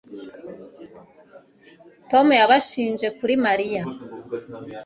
Tom yabishinje kuri Mariya